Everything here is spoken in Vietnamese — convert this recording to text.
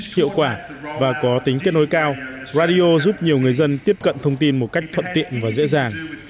hiệu quả và có tính kết nối cao radio giúp nhiều người dân tiếp cận thông tin một cách thuận tiện và dễ dàng